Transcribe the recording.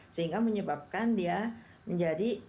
sehingga menyebabkan dia menjadi